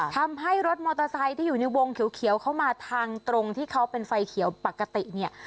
ทำให้รถมอเตอร์ไซค์ที่อยู่ในวงเขียวเข้ามาทางตรงที่เขาเป็นไฟเขียวปกติเนี่ย